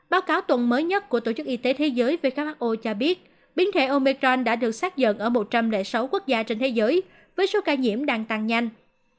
báo cáo tuần mới nhất của tổ chức y tế thế giới who cho biết biến thể omecron đã được xác nhận ở một trăm linh sáu quốc gia trên thế giới với số ca nhiễm đang tăng nhanh